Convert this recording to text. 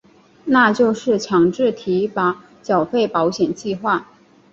那就是强制提拨缴费保险计划。